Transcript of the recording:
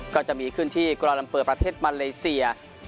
ก็จะมีขึ้นที่กราลัมเปอร์ประเทศมาเลเซีย